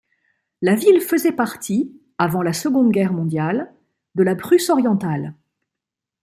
La ville faisait partie, avant la Seconde Guerre mondiale, de la Prusse-Orientale.